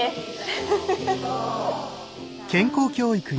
フフフフ。